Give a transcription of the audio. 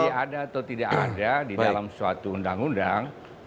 masih ada atau tidak ada di dalam suatu undang undang